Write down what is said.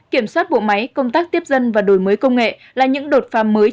kiểm soát bộ máy công tác tiếp dân và đổi mới công nghệ là những đột pha mới